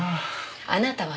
あなたはね